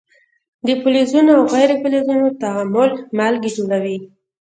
د فلزونو او غیر فلزونو تعامل مالګې جوړوي.